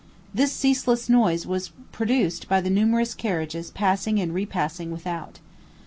This ceaseless noise was produced by the numerous carriages passing and repassing without.